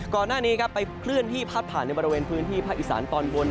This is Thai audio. ก่อนหน้านี้ครับไปเคลื่อนที่พัดผ่านในบริเวณพื้นที่ภาคอีสานตอนบน